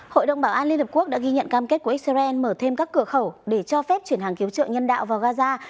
hội đồng bảo an liên hợp quốc đã ghi nhận cam kết của israel mở thêm các cửa khẩu để cho phép chuyển hàng cứu trợ nhân đạo vào gaza